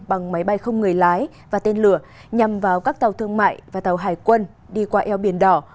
bằng máy bay không người lái và tên lửa nhằm vào các tàu thương mại và tàu hải quân đi qua eo biển đỏ